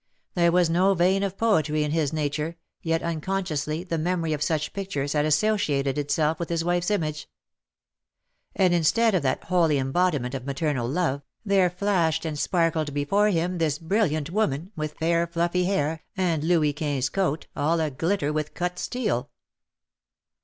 There was no vein of poetry in his nature, yet unconsciously the memory of such pictures had associated itself with his wife's image. And instead of that holy embodiment of maternal love, there flashed and sparkled before him this brilliant woman, with fair fluffy hair, and Louis Quinze coat, all a glitter with cut steel.